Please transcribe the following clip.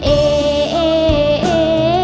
เอ่เอ่เอ่